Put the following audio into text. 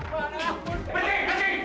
kenapa anda kali ini berhenti